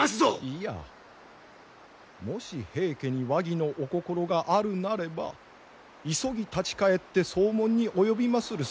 いやもし平家に和議のお心があるなれば急ぎ立ち返って奏聞に及びまする。